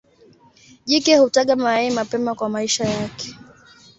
Jike hutaga mayai mapema kwa maisha yake.